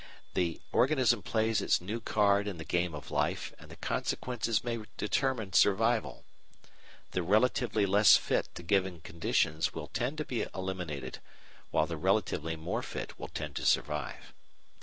The organism plays its new card in the game of life, and the consequences may determine survival. The relatively less fit to given conditions will tend to be eliminated, while the relatively more fit will tend to survive.